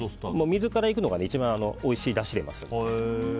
水からいくのが一番おいしいだしが出ますので。